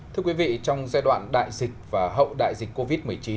thưa quý vị trong giai đoạn đại dịch và hậu đại dịch covid một mươi chín